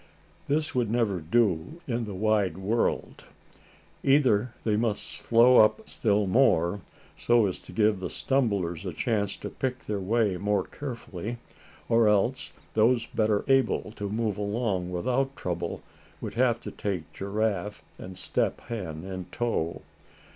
This would never do in the wide world. Either they must slow up still more, so as to give the stumblers a chance to pick their way more carefully, or else those better able to move along without trouble would have to take Giraffe and Step Hen in tow.